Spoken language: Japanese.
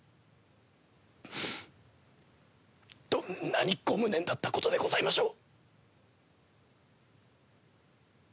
どんなにご無念だったことでございましょう。